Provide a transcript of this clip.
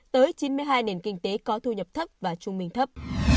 tới chín mươi hai nền kinh tế có thu nhập thấp và trung bình thấp